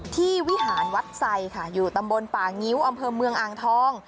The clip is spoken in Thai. วิหารวัดไซค่ะอยู่ตำบลป่างิ้วอำเภอเมืองอ่างทอง